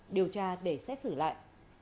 điều tra để xét xử lại